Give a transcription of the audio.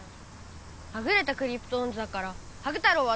はぐれたクリプトオンズだからハグ太郎はどう？